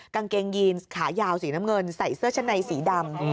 กางเกงยีนขายาวสีน้ำเงินใส่เสื้อชั้นในสีดำ